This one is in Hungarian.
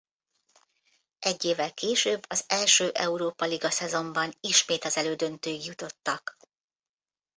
Egy évvel később az első Európa-liga szezonban ismét az elődöntőig jutottak.